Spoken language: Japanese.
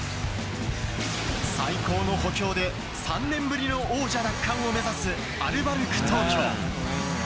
最高の補強で、３年ぶりの王座奪還を目指すアルバルク東京。